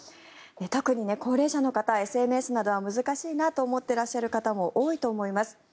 特に高齢者の方、ＳＮＳなどは難しいと思ってらっしゃる方も多いと思います。